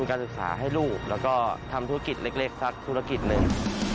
การศึกษาให้ลูกแล้วก็ทำธุรกิจเล็กสักธุรกิจหนึ่ง